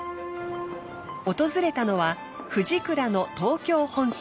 訪れたのはフジクラの東京本社。